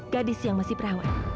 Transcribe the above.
gadis yang masih perawan